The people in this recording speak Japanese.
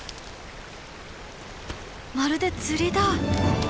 まるで釣りだ。